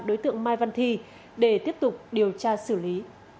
đối tượng mai văn thi để tiếp tục điều tra xử lý